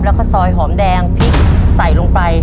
แล้วก็ซอยหอมแดงพริกใส่ลงไป